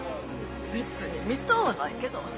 別に見とうはないけど。